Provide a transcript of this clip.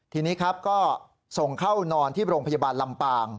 ทีนี้ครับก็ส่งเข้านอนที่โรงพยาบาลลำปาง